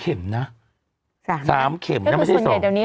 ๓เข็มนั่นไม่ใช่๒คือส่วนใหญ่เดี๋ยวนี้